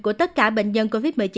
của tất cả bệnh nhân covid một mươi chín